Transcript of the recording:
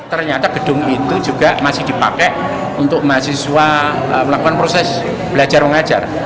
ternyata gedung itu juga masih dipakai untuk mahasiswa melakukan proses belajar mengajar